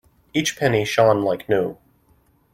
Each penny shone like new.